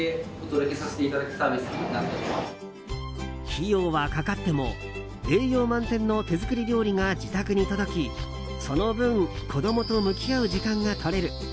費用はかかっても栄養満点の手作り料理が自宅に届き、その分子供と向き合う時間が取れる。